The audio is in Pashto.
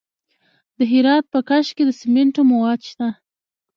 د هرات په کشک کې د سمنټو مواد شته.